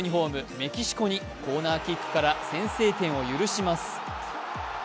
メキシコにコーナーキックから先制点を許します。